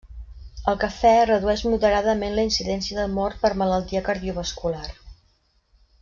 El cafè redueix moderadament la incidència de mort per malaltia cardiovascular.